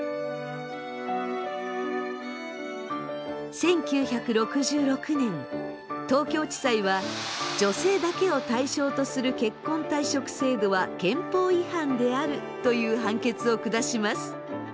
１９６６年東京地裁は女性だけを対象とする結婚退職制度は憲法違反であるという判決を下します。